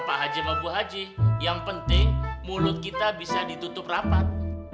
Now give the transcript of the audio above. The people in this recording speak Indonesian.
pak haji maupun haji yang penting mulut kita bisa ditutup rapat